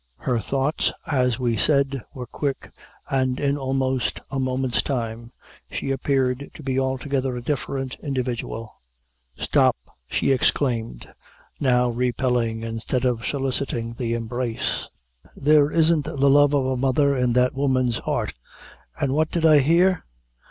Her thoughts, as we said, were quick, and in almost a moment's time she appeared to be altogether a different individual. "Stop!" she exclaimed, now repelling instead of soliciting the embrace "there isn't the love of a mother in that woman's heart an' what did I hear?